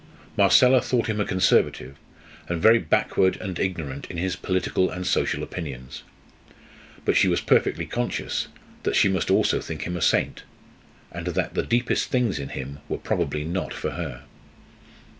Marcella thought him a Conservative, and very backward and ignorant in his political and social opinions. But she was perfectly conscious that she must also think him a saint; and that the deepest things in him were probably not for her.